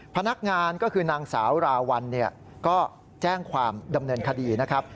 พนักงานก็คือนางสาวราวัลก็แจ้งความดำเนินคดีนะครับ